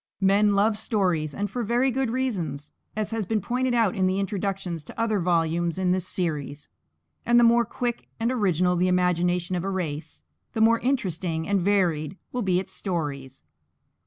Men love stories, and for very good reasons, as has been pointed out in introductions to other volumes in this series; and the more quick and original the imagination of a race, the more interesting and varied will be its stories.